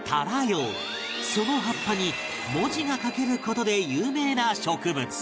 その葉っぱに文字が書ける事で有名な植物